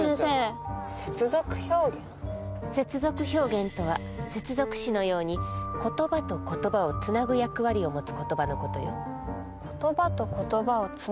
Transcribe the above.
接続表現とは接続詞のようにことばとことばをつなぐ役割を持つことば。